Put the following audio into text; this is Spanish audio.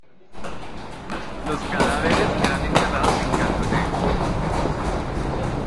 Los cadáveres eran enterrados en Gato Negro.